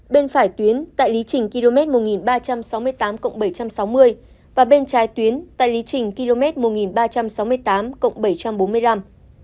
bên phải tuyến tại lý trình km một nghìn ba trăm sáu mươi tám bảy trăm sáu mươi và bên trái tuyến tại lý trình km một nghìn ba trăm sáu mươi tám bảy trăm bốn mươi năm